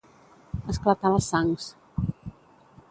Esclatar les sangs